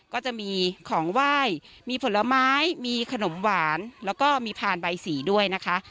ก็จะมีของไหว้มีผลไม้มีขนมหวานแล้วก็มีพานใบสีด้วยนะคะ